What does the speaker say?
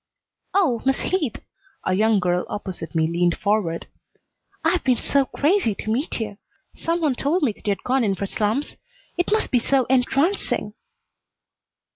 "Oh, Miss Heath!" A young girl opposite me leaned forward. "I've been so crazy to meet you. Some one told me that you'd gone in for slums. It must be so entrancing!"